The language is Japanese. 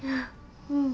うん。